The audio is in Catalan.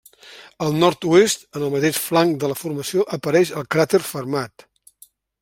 Al nord-oest en el mateix flanc de la formació apareix el cràter Fermat.